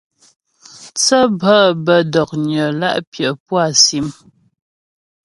Thə́ bhə̌ bə́ dɔ̀knyə la' pyə̌ pú á sìm.